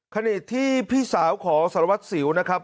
ขณะที่พี่สาวของสารวัตรสิวนะครับ